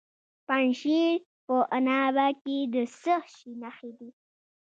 د پنجشیر په عنابه کې د څه شي نښې دي؟